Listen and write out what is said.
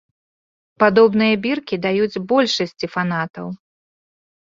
Падобныя біркі даюць большасці фанатаў.